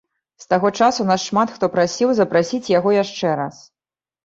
З таго часу нас шмат хто прасіў запрасіць яго яшчэ раз.